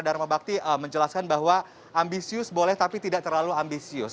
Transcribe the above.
dharma bakti menjelaskan bahwa ambisius boleh tapi tidak terlalu ambisius